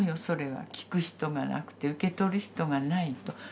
それはきく人がなくて受け取る人がないと。